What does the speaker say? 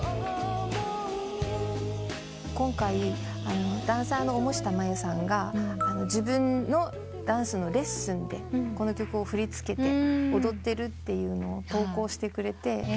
今回ダンサーの重下真由さんが自分のダンスのレッスンでこの曲を振り付けて踊ってるっていうのを投稿してくれて。